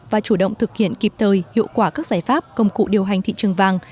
và chủ động thực hiện kịp thời hiệu quả các giải pháp công cụ điều hành thị trường vàng